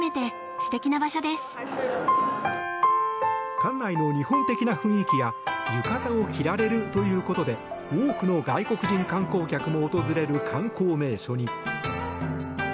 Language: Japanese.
館内の日本的な雰囲気や浴衣を着られるということで多くの外国人観光客も訪れる観光名所に。